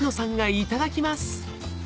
いただきます。